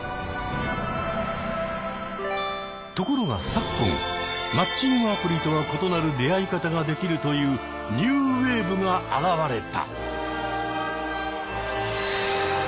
ところが昨今マッチングアプリとは異なる出会い方ができるというニューウェーブが現れた！